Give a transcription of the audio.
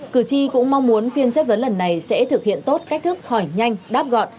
cử tri cũng mong muốn phiên chất vấn lần này sẽ thực hiện tốt cách thức hỏi nhanh đáp gọn